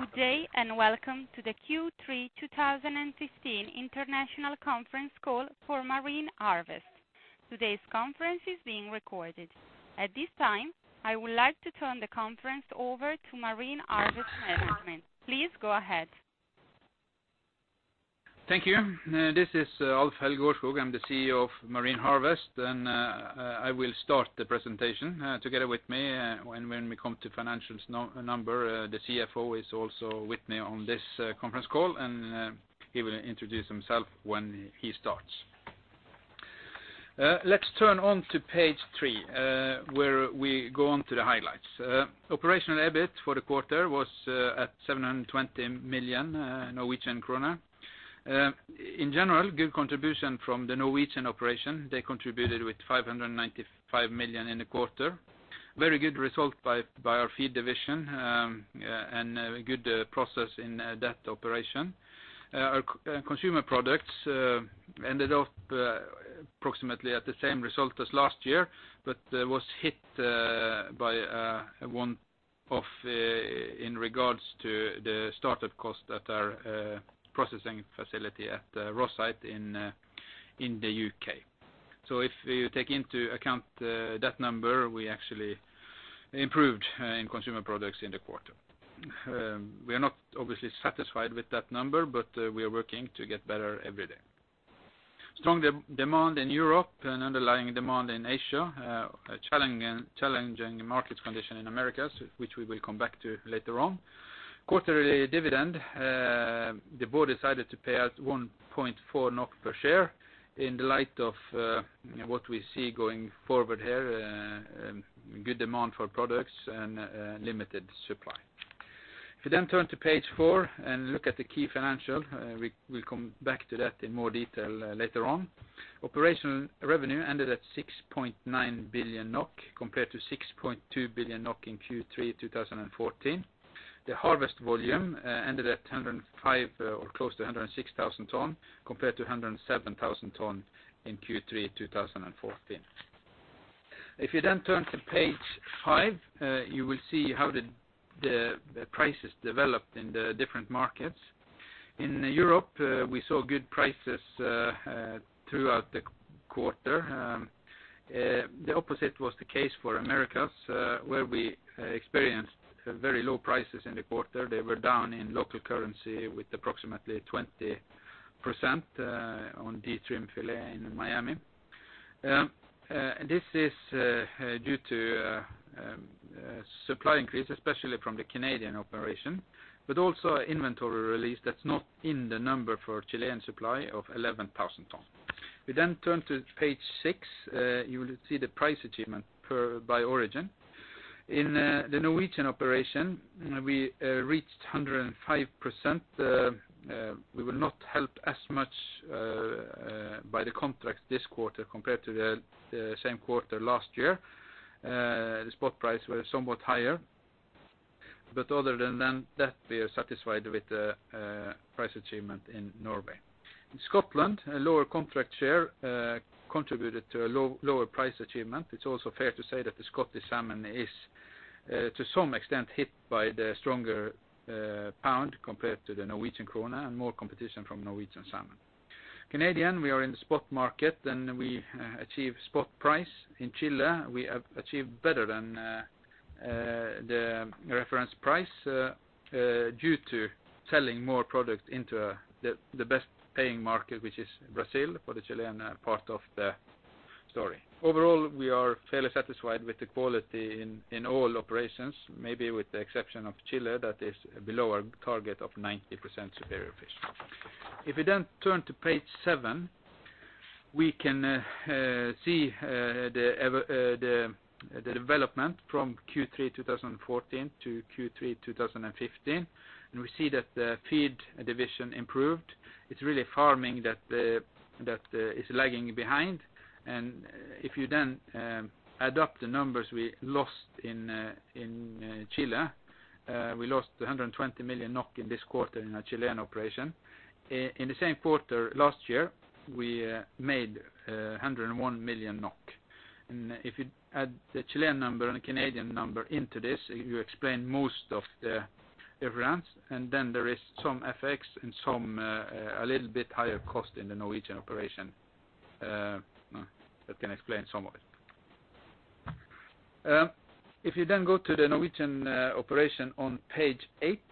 Good day, and welcome to the Q3 2015 international conference call for Marine Harvest. Today's conference is being recorded. At this time, I would like to turn the conference over to Marine Harvest management. Please go ahead. Thank you. This is Alf-Helge Aarskog. I am the Chief Executive Officer of Marine Harvest, and I will start the presentation. Together with me, when we come to financial numbers, the Chief Financial Officer is also with me on this conference call, and he will introduce himself when he starts. Let's turn on to page three, where we go on to the highlights. Operational EBIT for the quarter was at 720 million Norwegian kroner. In general, good contribution from the Norwegian operation. They contributed with 595 million in the quarter. Very good result by our Feed division and a good process in that operation. Our consumer products ended up approximately at the same result as last year but was hit by a one-off in regards to the startup cost at our processing facility at Rosyth in the U.K. If you take into account that number, we actually improved in consumer products in the quarter. We are not obviously satisfied with that number, but we are working to get better every day. Strong demand in Europe and underlying demand in Asia. Challenging market condition in Americas, which we will come back to later on. Quarterly dividend, the board decided to pay out 1.4 NOK per share in light of what we see going forward here, good demand for products and limited supply. If we turn to page four and look at the key financial, we'll come back to that in more detail later on. Operational revenue ended at 6.9 billion NOK compared to 6.2 billion NOK in Q3 2014. The harvest volume ended at 105,000 or close to 106,000 ton compared to 107,000 ton in Q3 2014. You then turn to page five, you will see how the prices developed in the different markets. In Europe, we saw good prices throughout the quarter. The opposite was the case for Americas, where we experienced very low prices in the quarter. They were down in local currency with approximately 20% on D-trim fillet in Miami. This is due to supply increase, especially from the Canadian operation, but also an inventory release that's not in the number for Chilean supply of 11,000 tons. We then turn to page six, you will see the price achievement by origin. In the Norwegian operation, we reached 105%. We were not helped as much by the contract this quarter compared to the same quarter last year. The spot price was somewhat higher. Other than that, we are satisfied with the price achievement in Norway. In Scotland, a lower contract share contributed to a lower price achievement. It's also fair to say that the Scottish salmon is, to some extent, hit by the stronger pound compared to the Norwegian kroner and more competition from Norwegian salmon. Canadian, we are in the spot market, we achieve spot price. In Chile, we have achieved better than the reference price due to selling more product into the best-paying market, which is Brazil for the Chilean part of the story. Overall, we are fairly satisfied with the quality in all operations, maybe with the exception of Chile, that is below our target of 90% superior fish. If we turn to page seven, we can see the development from Q3 2014 to Q3 2015. We see that the feed division improved. It's really farming that is lagging behind. If you then add up the numbers we lost in Chile, we lost 120 million NOK in this quarter in our Chilean operation. In the same quarter last year, we made 101 million NOK. If you add the Chilean number and the Canadian number into this, you explain most of the variance, then there is some FX and a little bit higher cost in the Norwegian operation. That can explain some of it. If you then go to the Norwegian operation on page eight.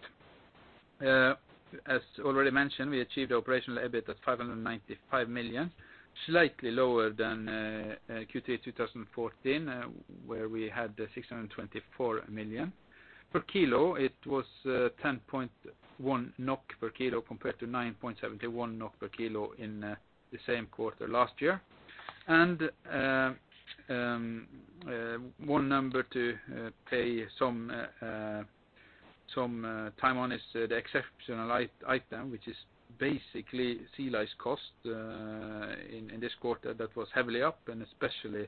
As already mentioned, we achieved operational EBIT at 595 million, slightly lower than Q3 2014, where we had 624 million. Per kilo, it was 10.1 NOK per kilo compared to 9.71 NOK per kilo in the same quarter last year. One number to pay some time on is the exceptional item, which is basically sea lice cost in this quarter that was heavily up and especially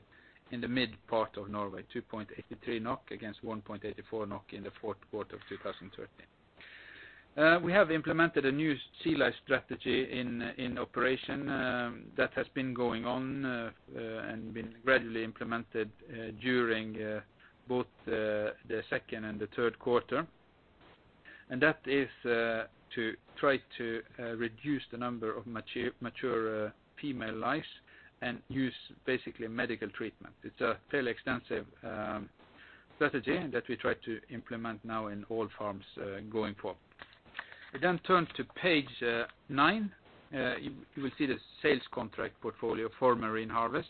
in the mid part of Norway, 2.83 NOK against 1.84 NOK in the fourth quarter of 2013. We have implemented a new sea lice strategy in operation that has been going on and been readily implemented during both the second and third quarter. That is to try to reduce the number of mature female lice and use basically medical treatment. It's a fairly extensive strategy that we try to implement now in all farms going forward. Turn to page nine. You will see the sales contract portfolio for Marine Harvest,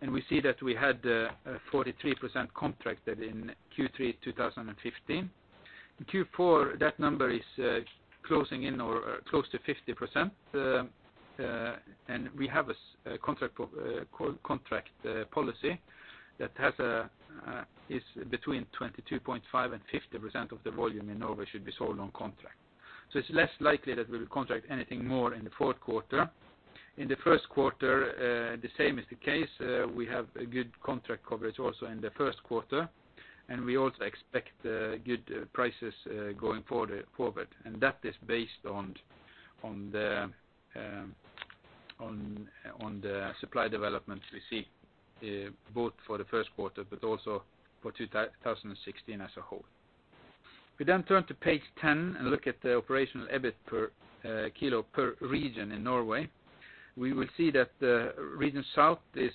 and we see that we had 43% contracted in Q3 2015. In Q4, that number is closing in or close to 50%, and we have a contract policy that is between 22.5% and 50% of the volume in Norway should be sold on contract. It's less likely that we'll contract anything more in the fourth quarter. In the first quarter, the same is the case. We have a good contract coverage also in the first quarter, and we also expect good prices going forward. That is based on the supply developments we see, both for the first quarter but also for 2016 as a whole. We turn to page 10 and look at the operational EBIT per kilo per region in Norway. We see that the Region South is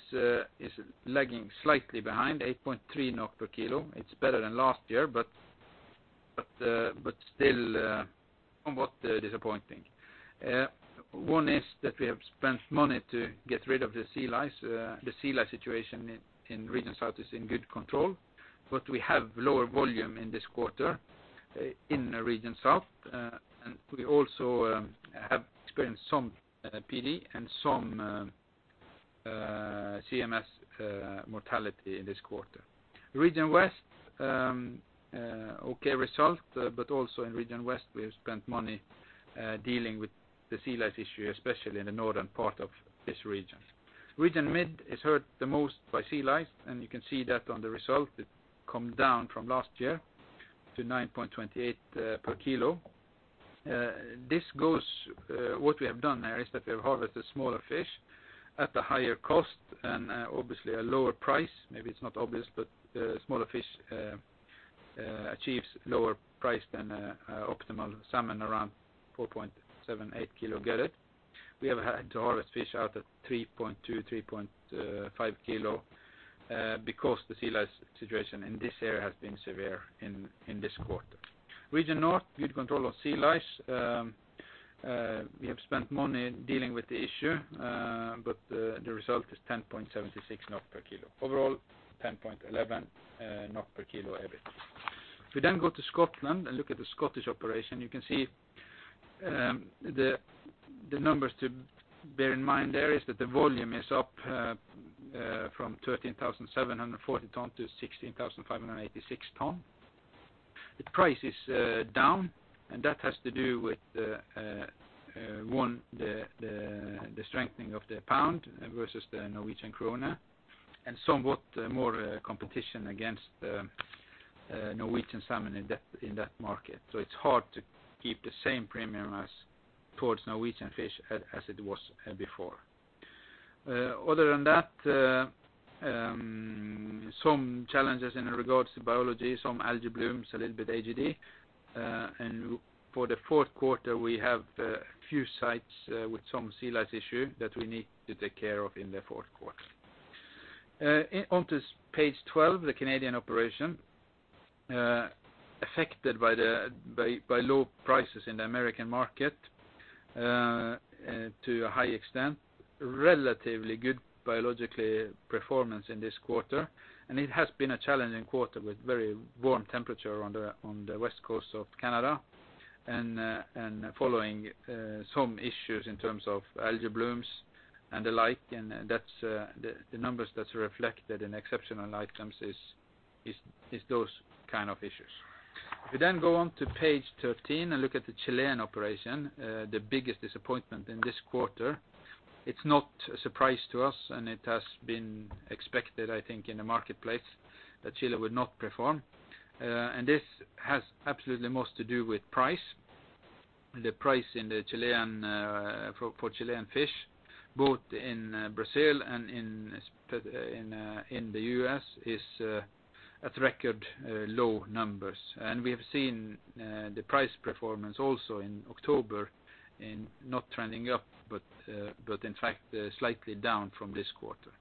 lagging slightly behind 8.3 per kilo. It's better than last year, but still somewhat disappointing. One is that we have spent money to get rid of the sea lice. The sea lice situation in Region South is in good control. We have lower volume in this quarter in Region South, and we also have experienced some PD and some CMS mortality in this quarter. Region West, okay result, but also in Region West, we have spent money dealing with the sea lice issue, especially in the northern part of this region. Region Mid is hurt the most by sea lice, and you can see that on the result. It come down from last year to 9.28 per kilo. What we have done there is that we have harvested smaller fish at the higher cost and obviously a lower price. Maybe it's not obvious, but smaller fish achieves lower price than optimal salmon around 4.7 kg-4.8 kg gutted. We have had to harvest fish out at 3.2 kg-3.5 kg because the sea lice situation in this area has been severe in this quarter. Region North, good control of sea lice. We have spent money dealing with the issue, but the result is 10.76 per kilo. Overall, 10.11 per kilo EBIT. We then go to Scotland and look at the Scottish operation, you can see the numbers to bear in mind there is that the volume is up from 13,740 tons to 16,586 tons. The price is down, that has to do with, one, the strengthening of the pound versus the Norwegian krone and somewhat more competition against Norwegian salmon in that market. It's hard to keep the same premium as towards Norwegian fish as it was before. Other than that, some challenges in regards to biology, some algae blooms, a little bit AGD. For the fourth quarter, we have a few sites with some sea lice issue that we need to take care of in the fourth quarter. On to page 12, the Canadian operation. Affected by low prices in the American market to a high extent. Relatively good biologically performance in this quarter, and it has been a challenging quarter with very warm temperature on the West Coast of Canada and following some issues in terms of algae blooms and the like. The numbers that's reflected in exceptional items is those kind of issues. We go on to page 13 and look at the Chilean operation, the biggest disappointment in this quarter. It's not a surprise to us, and it has been expected, I think, in the marketplace that Chile would not perform. This has absolutely the most to do with price. The price for Chilean fish, both in Brazil and in the U.S., is at record low numbers. We have seen the price performance also in October not trending up, but in fact, slightly down from this quarter.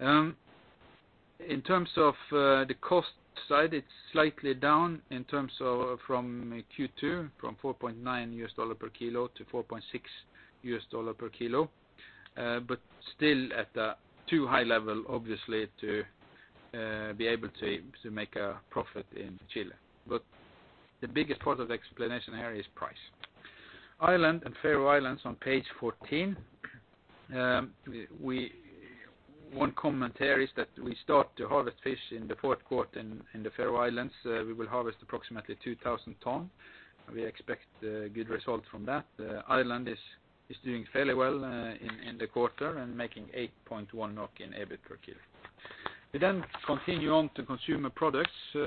In terms of the cost side, it's slightly down in terms of from Q2, from $4.9 per kilo to $4.6 per kilo but still at a too high level, obviously, to be able to make a profit in Chile. The biggest part of the explanation here is price. Ireland and Faroe Islands on page 14. One comment here is that we start to harvest fish in the fourth quarter in the Faroe Islands. We will harvest approximately 2,000 tons, and we expect good results from that. Ireland is doing fairly well in the quarter and making 8.1 NOK in EBIT per kilo. We continue on to consumer products. To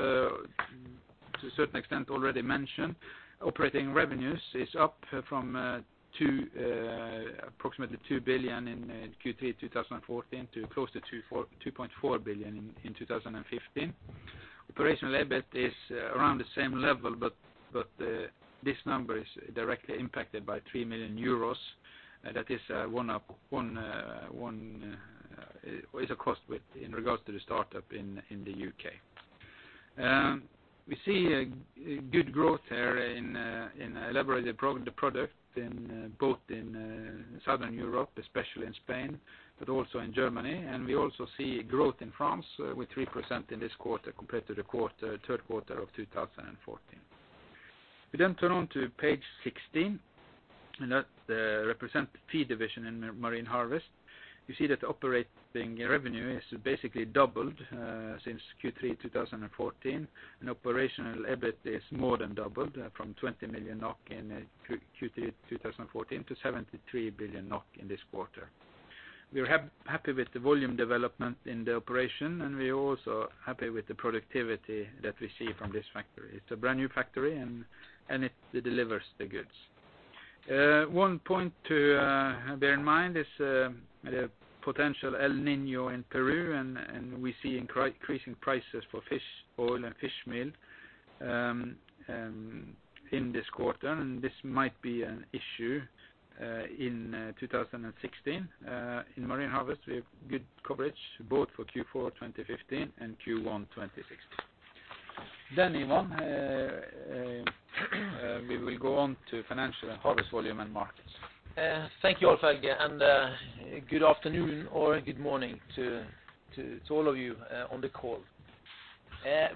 a certain extent already mentioned, operating revenues is up from approximately 2 billion in Q3 2014 to close to 2.4 billion in 2015. Operational EBIT is around the same level, but this number is directly impacted by 3 million euros. That is a cost in regards to the startup in the U.K. We see a good growth here in elaborated product, both in Southern Europe, especially in Spain, but also in Germany. We also see a growth in France with 3% in this quarter compared to the third quarter of 2014. We turn on to page 16, and that represent the feed division in Marine Harvest. You see that operating revenue has basically doubled since Q3 2014. Operational EBIT has more than doubled from 20 million NOK in Q3 2014 to 73 million NOK in this quarter. We are happy with the volume development in the operation. We're also happy with the productivity that we see from this factory. It's a brand-new factory. It delivers the goods. One point to bear in mind is the potential El Niño in Peru. We see increasing prices for fish oil and fish meal in this quarter. This might be an issue in 2016. In Marine Harvest, we have good coverage both for Q4 2015 and Q1 2016. Ivan, we will go on to financials, harvest volume and markets. Thank you, Alf-Helge, good afternoon or good morning to all of you on the call.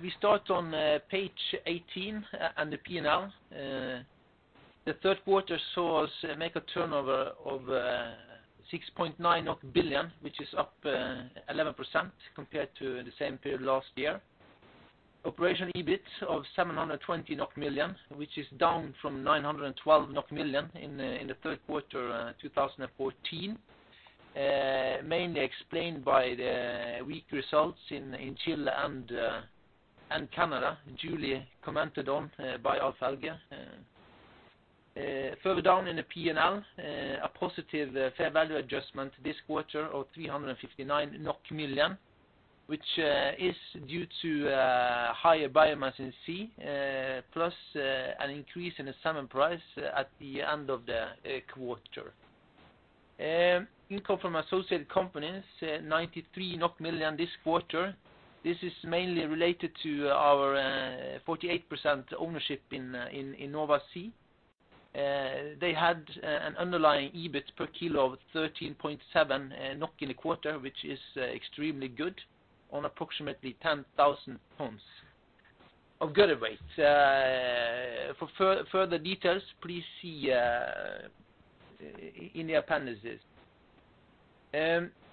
We start on page 18 and the P&L. The third quarter saw us make a turnover of 6.9 billion, which is up 11% compared to the same period last year. Operational EBIT of 720 million NOK, which is down from 912 million NOK in the third quarter 2014, mainly explained by the weak results in Chile and Canada, duly commented on by Alf-Helge. Further down in the P&L, a positive fair value adjustment this quarter of 359 million NOK, which is due to higher biomass in sea, plus an increase in the salmon price at the end of the quarter. Income from associated companies, 93 million this quarter. This is mainly related to our 48% ownership in Nova Sea. They had an underlying EBIT per kilo of 13.7 NOK in the quarter, which is extremely good, on approximately 10,000 tons of gutted weight. For further details, please see in the appendices.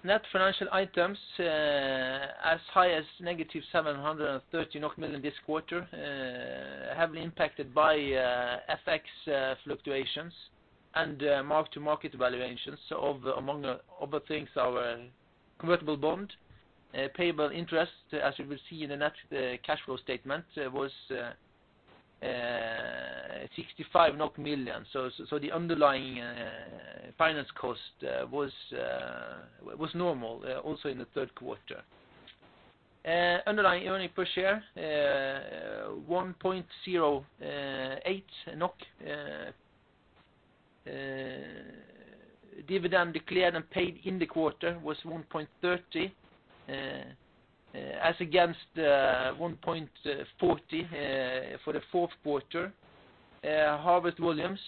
Net financial items as high as-NOK 713 million this quarter, heavily impacted by FX fluctuations and mark-to-market valuations of, among other things, our convertible bond. Payable interest, as you will see in the net cash flow statement, was 65 million. The underlying finance cost was normal also in the third quarter. Underlying earning per share, 1.08 NOK. Dividend declared and paid in the quarter was 1.30 as against 1.40 for the fourth quarter. Harvest volumes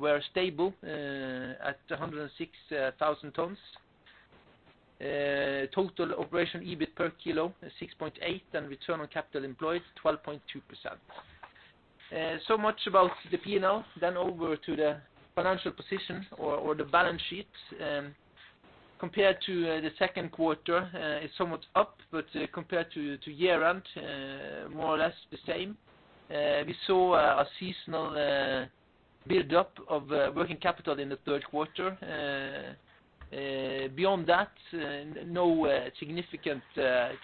were stable at 106,000 tons. Total operational EBIT per kilo, 6.8, and return on capital employed, 12.2%. Much about the P&L. Over to the financial position or the balance sheet. Compared to the second quarter, it's somewhat up, but compared to year-end, more or less the same. We saw a seasonal build-up of working capital in the third quarter. Beyond that, no significant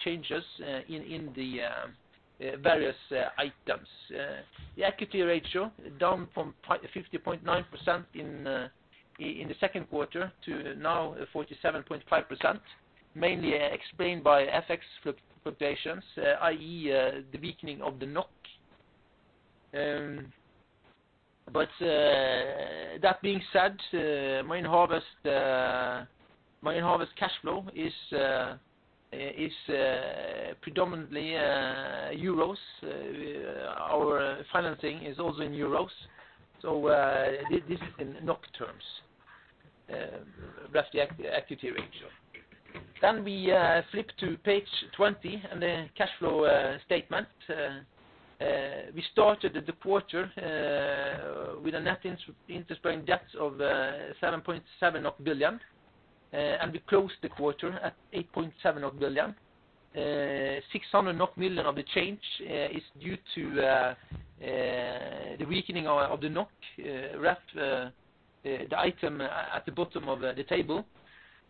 changes in the various items. The equity ratio down from 50.9% in the second quarter to now 47.5%, mainly explained by FX fluctuations, i.e., the weakening of the Norwegian krone. That being said, Marine Harvest cash flow is predominantly euros. Our financing is also in euros. This is in Norwegian krone terms, that's the equity ratio. We flip to page 20 and the cash flow statement. We started the quarter with a net interest-bearing debt of 7.7 billion. We closed the quarter at 8.7 billion. 600 million of the change is due to the weakening of the Norwegian krone ref, the item at the bottom of the table.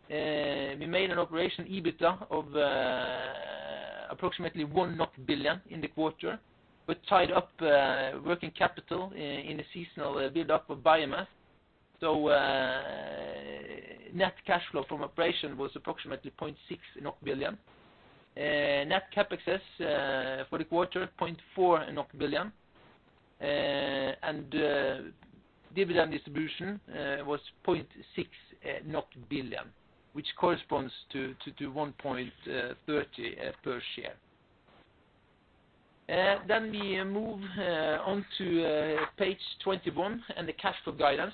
We made an operational EBITDA of approximately 1 billion in the quarter. Tied up working capital in a seasonal build-up of biomass. Net cash flow from operation was approximately 0.6 billion. Net CapEx for the quarter, 0.4 billion. Dividend distribution was 0.6 billion, which corresponds to 1.30 per share. We move on to page 21 and the cash flow guidance.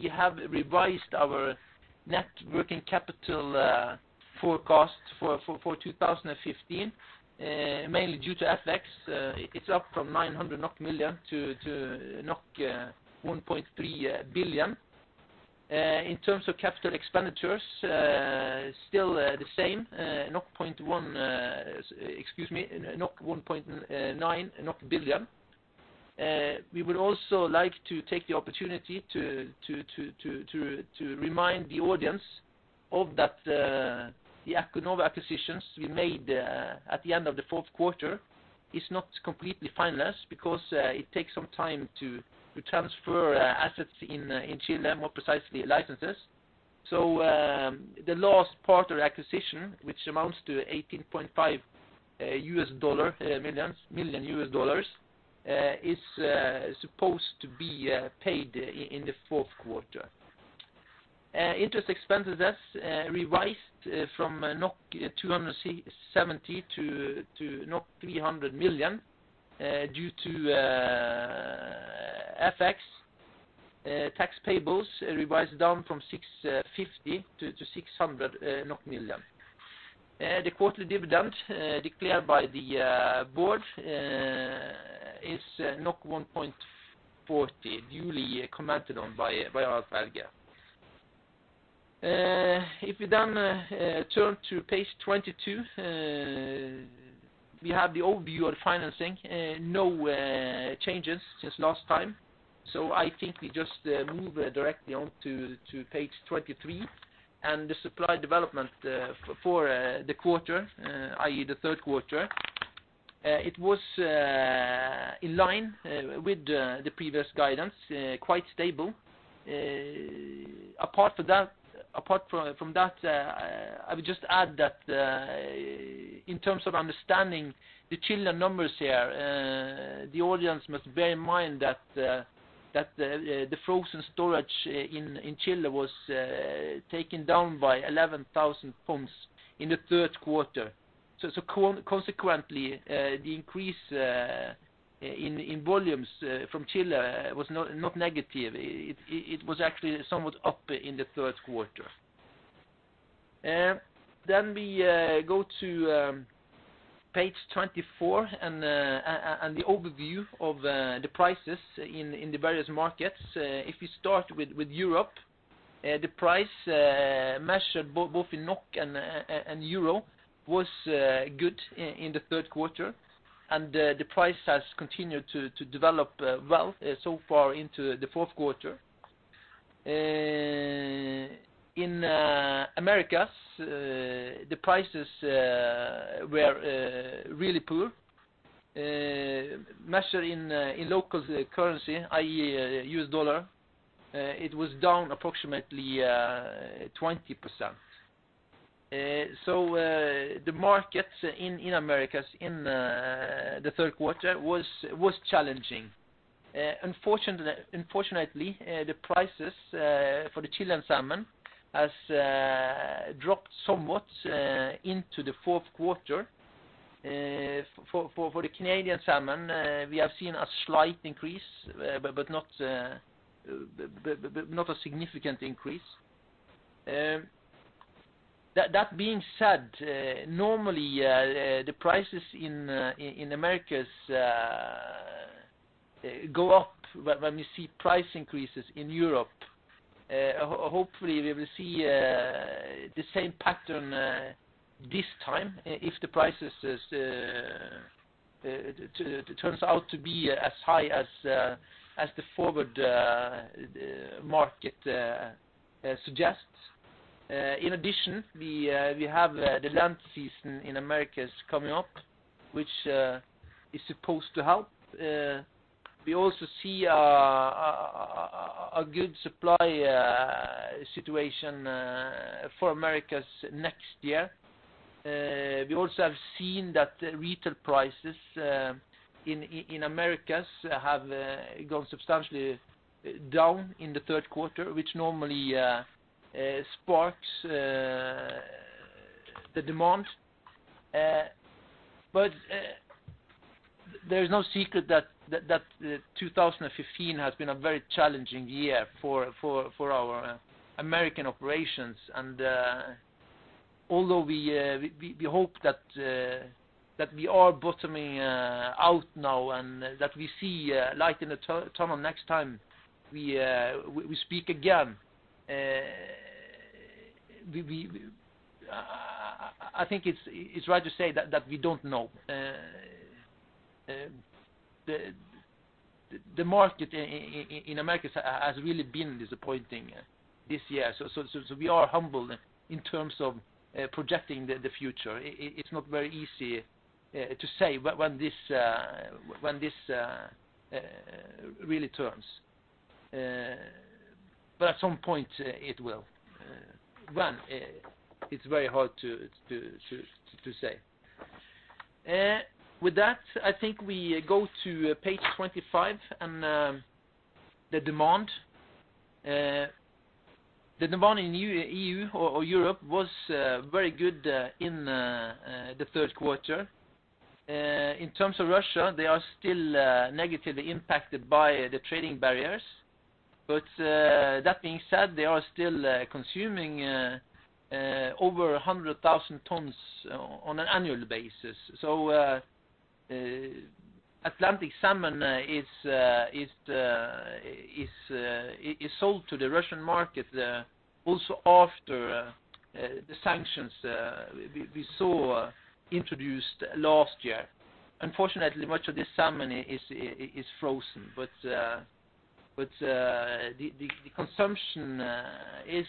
We have revised our net working capital forecast for 2015, mainly due to FX. It's up from 900 million NOK to 1.3 billion. In terms of capital expenditures, still the same, 1.9 billion NOK. We would also like to take the opportunity to remind the audience of the Acuinova acquisitions we made at the end of the fourth quarter is not completely financed because it takes some time to transfer assets in Chile, more precisely licenses. The last part of the acquisition, which amounts to $18.5 million, is supposed to be paid in the fourth quarter. Interest expenditures revised from 270 million-300 million NOK due to FX. Tax payables revised down from 650 million-600 million. The quarter dividend declared by the board is 1.40, duly commented on by Alf-Helge. If you turn to page 22, we have the overview of financing. No changes since last time. I think we just move directly on to page 23 and the supply development for the quarter, i.e., the third quarter. It was in line with the previous guidance, quite stable. Apart from that, I would just add that in terms of understanding the Chilean numbers here, the audience must bear in mind that the frozen storage in Chile was taken down by 11,000 tons in the third quarter. Consequently, the increase in volumes from Chile was not negative. It was actually somewhat up in the third quarter. We go to page 24 and the overview of the prices in the various markets. If you start with Europe, the price measured both in Norwegian krone and euro was good in the third quarter, the price has continued to develop well so far into the fourth quarter. In Americas, the prices were really poor. Measured in local currency, i.e., U.S. dollar, it was down approximately 20%. The market in Americas in the third quarter was challenging. Unfortunately, the prices for the Chilean salmon have dropped somewhat into the fourth quarter. For the Canadian salmon, we have seen a slight increase, not a significant increase. That being said, normally, the prices in Americas go up when we see price increases in Europe. Hopefully, we will see the same pattern this time if the prices turns out to be as high as the forward market suggests. In addition, we have the Lent season in Americas coming up, which is supposed to help. We also see a good supply situation for Americas next year. We also have seen that retail prices in Americas have gone substantially down in the third quarter, which normally sparks the demand. There's no secret that 2015 has been a very challenging year for our American operations. Although we hope that we are bottoming out now and that we see a light in the tunnel next time we speak again. I think it's right to say that we don't know. The market in Americas has really been disappointing this year. We are humble in terms of projecting the future. It's not very easy to say when this really turns. At some point it will. When, it's very hard to say. With that, I think we go to page 25 and the demand. The demand in EU or Europe was very good in the third quarter. In terms of Russia, they are still negatively impacted by the trading barriers. That being said, they are still consuming over 100,000 tons on an annual basis. Atlantic salmon is sold to the Russian market also after the sanctions we saw introduced last year. Unfortunately, much of the salmon is frozen. The consumption is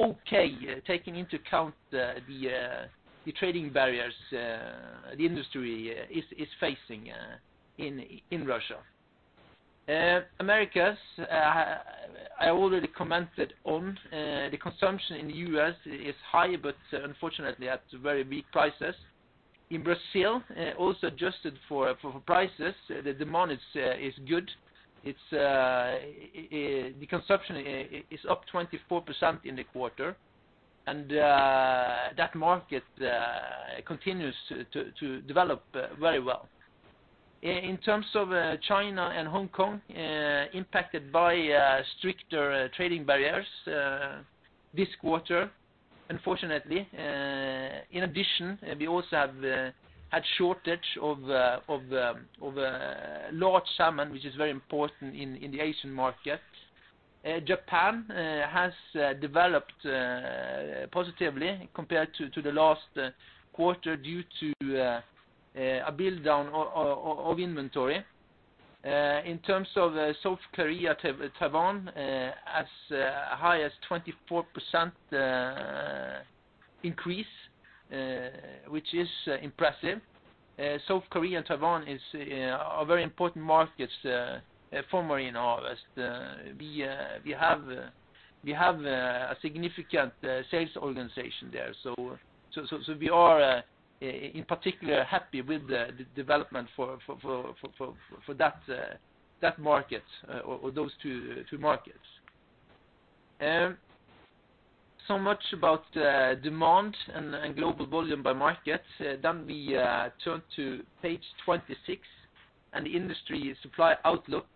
okay, taking into account the trading barriers the industry is facing in Russia. Americas, I already commented on. The consumption in the U.S. is high, unfortunately at very big prices. In Brazil, also adjusted for prices, the demand is good. The consumption is up 24% in the quarter, and that market continues to develop very well. In terms of China and Hong Kong, impacted by stricter trading barriers this quarter, unfortunately. In addition, we also have had shortage of large salmon, which is very important in the Asian market. Japan has developed positively compared to the last quarter due to a build-down of inventory. In terms of South Korea Taiwan as high as 24% increase, which is impressive. South Korea and Taiwan are very important markets for Marine Harvest. We have a significant sales organization there. We are in particular happy with the development for that market or those two markets. Much about demand and global volume by market. We turn to page 26 and the industry supply outlook.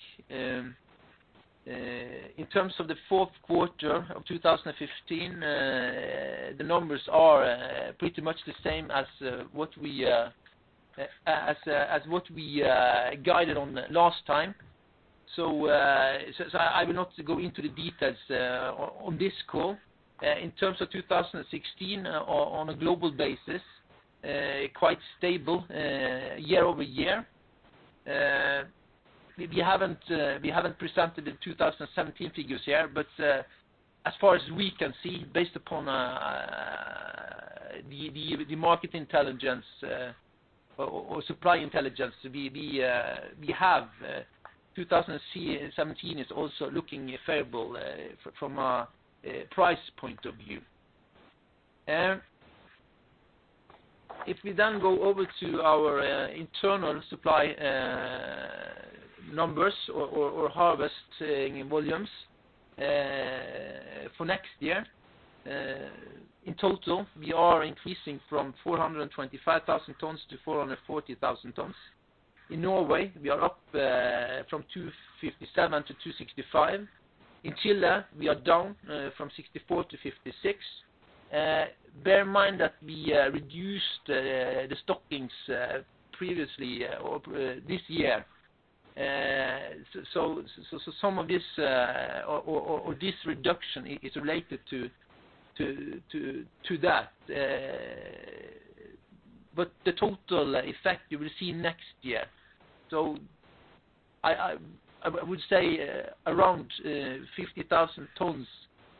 In terms of the fourth quarter of 2015, the numbers are pretty much the same as what we guided on last time. I will not go into the details on this call. In terms of 2016 on a global basis, quite stable YoY. We haven't presented the 2017 figures yet, but as far as we can see, based upon the market intelligence or supply intelligence we have, 2017 is also looking favorable from a price point of view. If we go over to our internal supply numbers or harvesting volumes for next year. In total, we are increasing from 425,000 tons-440,000 tons. In Norway, we are up from 257,000 tons-265,000 tons. In Chile, we are down from 64,000 tons-56,000 tons. Bear in mind that we reduced the stockings previously this year. Some of this reduction is related to that. The total effect you will see next year. I would say around 50,000 tons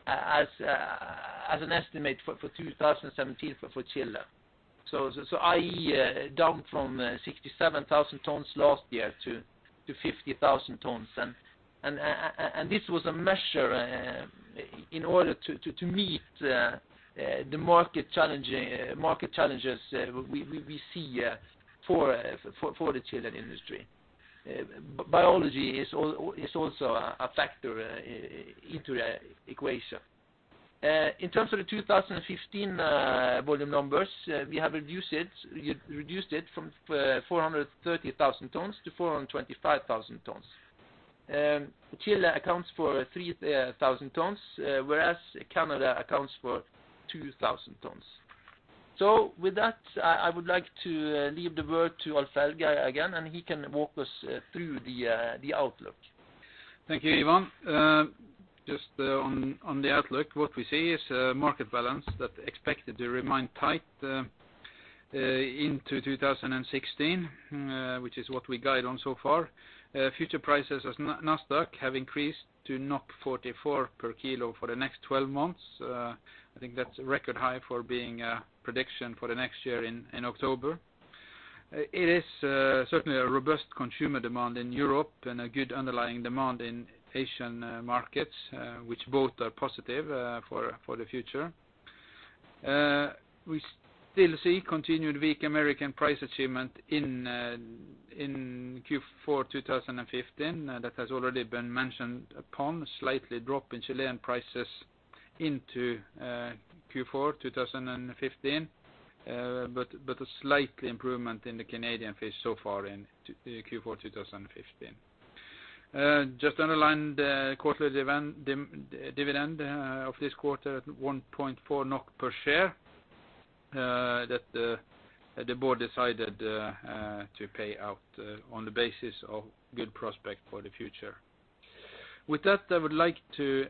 as an estimate for 2017 for Chile. I.e., down from 67,000 tons last year to 50,000 tons. This was a measure in order to meet the market challenges we see for the Chile industry. Biology is also a factor into the equation. In terms of 2015 volume numbers, we have reduced it from 430,000 tons-425,000 tons. Chile accounts for 3,000 tons, whereas Canada accounts for 2,000 tons. With that, I would like to leave the word to Alf-Helge again, and he can walk us through the outlook. Thank you, Ivan. Just on the outlook, what we see is a market balance that's expected to remain tight into 2016, which is what we guide on so far. Future prices of NASDAQ have increased to 44 per kilo for the next 12 months. I think that's a record high for being a prediction for the next year in October. It is certainly a robust consumer demand in Europe and a good underlying demand in Asian markets, which both are positive for the future. We still see continued weak American price achievement in Q4 2015, and that has already been mentioned upon slightly dropping Chilean prices into Q4 2015, but a slight improvement in the Canadian fish so far in Q4 2015. Just underline the quarterly dividend of this quarter at 1.4 NOK Per share that the board decided to pay out on the basis of good prospect for the future. With that, I would like to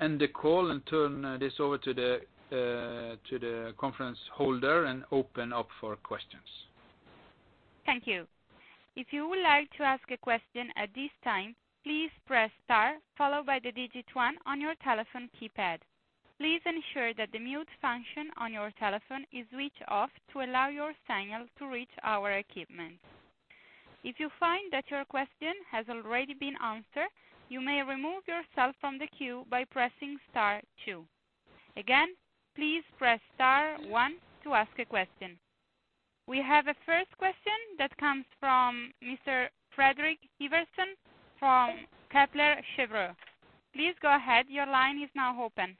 end the call and turn this over to the conference holder and open up for questions. Thank you. If you would like to ask a question at this time, please press star followed by digit one on your telephone keypad. Please ensure that the mute function on your telephone is switched off to allow your signal reach our equipment. If you find that your question has already been answered, you may remove yourself from the queue by pressing star two. Again, please press star one to ask a question. We have a first question that comes from Mr. Fredrik Ivarsson from Kepler Cheuvreux. Please go ahead. Your line is now open.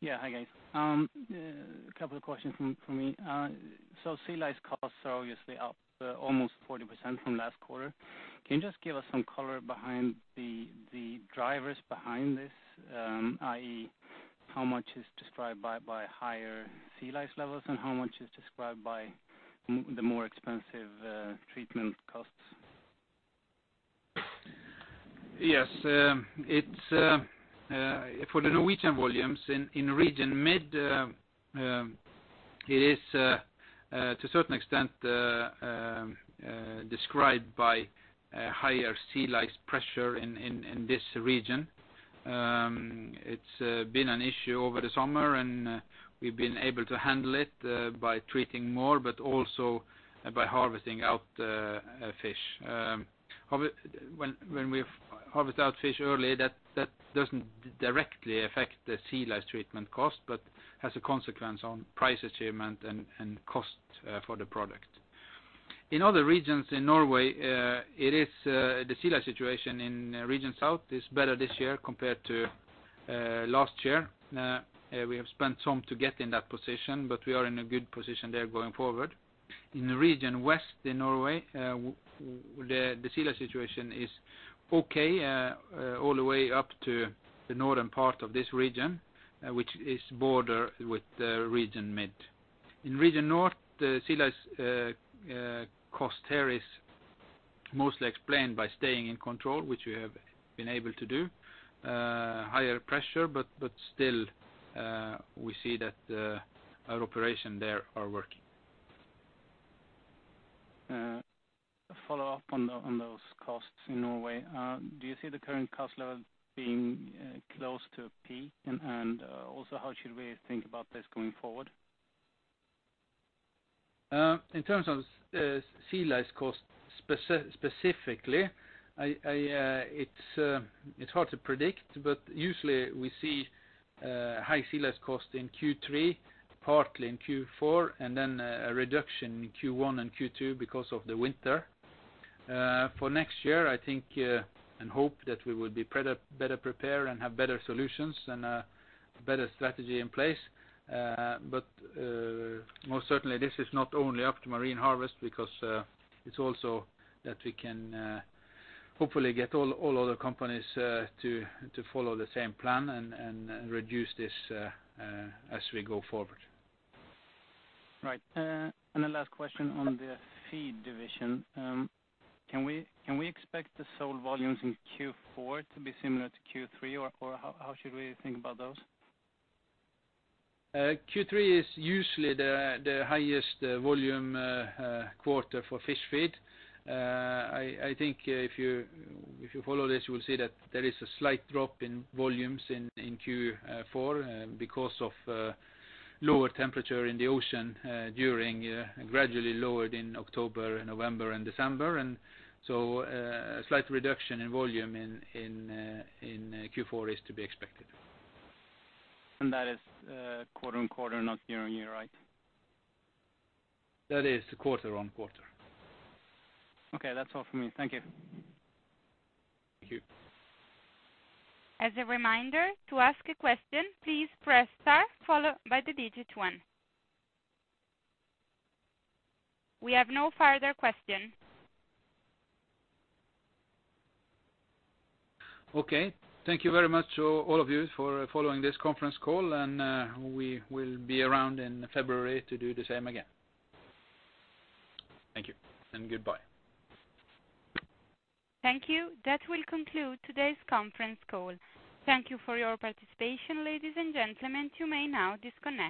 Yeah, hi guys. A couple of questions from me. Sea lice costs are obviously up almost 40% from last quarter. Can you just give us some color behind the drivers behind this, i.e., how much is described by higher sea lice levels and how much is described by the more expensive treatment costs? Yes. For the Norwegian volumes in Region Mid, it is to a certain extent described by higher sea lice pressure in this region. It has been an issue over the summer, and we have been able to handle it by treating more, but also by harvesting out fish. When we harvest out fish early, that does not directly affect the sea lice treatment cost, but has a consequence on price achievement and cost for the product. In other regions in Norway, the sea lice situation in Region South is better this year compared to last year. We have spent some to get in that position, but we are in a good position there going forward. In the Region West in Norway, the sea lice situation is okay all the way up to the northern part of this region, which is border with Region Mid. In Region North, the sea lice cost here is mostly explained by staying in control, which we have been able to do. Still, we see that our operation there are working. A follow-up on those costs in Norway. Do you see the current cost levels being close to a peak? How should we think about this going forward? In terms of sea lice cost specifically, it's hard to predict, but usually we see high sea lice cost in Q3, partly in Q4, and then a reduction in Q1 and Q2 because of the winter. For next year, I think and hope that we will be better prepared and have better solutions and a better strategy in place. Most certainly this is not only up to Marine Harvest because it's also that we can hopefully get all other companies to follow the same plan and reduce this as we go forward. Right. The last question on the feed division. Can we expect the sold volumes in Q4 to be similar to Q3, or how should we think about those? Q3 is usually the highest volume quarter for fish feed. I think if you follow this, you will see that there is a slight drop in volumes in Q4 because of lower temperature in the ocean gradually lowered in October, November, and December. A slight reduction in volume in Q4 is to be expected. That is quarter-on-quarter, not year-on-year, right? That is quarter-on-quarter. Okay. That's all from me. Thank you. Thank you. As a reminder, to ask a question, please press star followed by the digit one. We have no further questions. Okay. Thank you very much to all of you for following this conference call. We will be around in February to do the same again. Thank you and goodbye. Thank you. That will conclude today's conference call. Thank you for your participation, ladies and gentlemen. You may now disconnect.